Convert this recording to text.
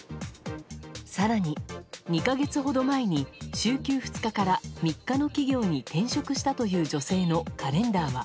更に、２か月ほど前に週休２日から３日の企業に転職したという女性のカレンダーは。